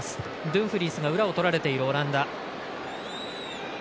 ドゥンフリースが裏をとられているオランダ。